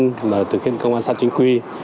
hoặc là thực hiện công an xã chính quy